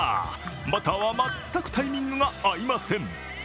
バッターは全くタイミングが合いません。